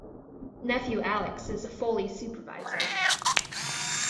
Nephew Alex is a foley supervisor.